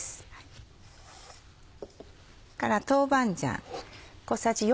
それから豆板醤。